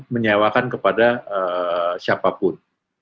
menyewakan kepada siapapun